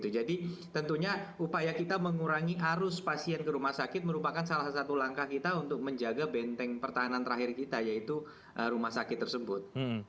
jadi tentunya upaya kita mengurangi arus pasien ke rumah sakit merupakan salah satu langkah kita untuk menjaga benteng pertahanan terakhir kita yaitu rumah sakit tersebut